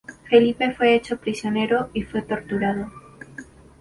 Felipe fue hecho prisionero y fue torturado.